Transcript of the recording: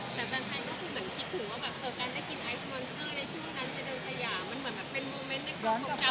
แต่บางทีก็คิดถึงว่าเพราะการได้กินไอฟ์มอนสเตอร์ในช่วงนั้นเย็นสยา